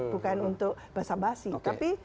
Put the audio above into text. bukan untuk basa basi tapi